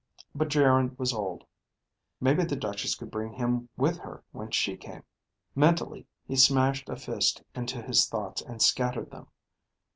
But Geryn was old. Maybe the Duchess could bring him with her when she came. Mentally he smashed a fist into his thoughts and scattered them.